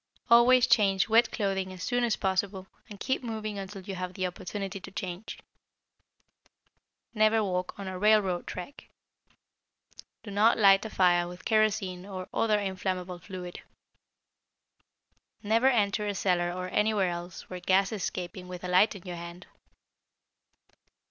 Always change wet clothing as soon as possible, and keep moving until you have opportunity to change. Never walk on a railroad track. Do not light a fire with kerosene or other inflammable fluid. Never enter a cellar or anywhere else where gas is escaping with a light in your hand.